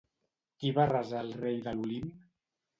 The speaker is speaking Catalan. Qui va resar al rei de l'Olimp?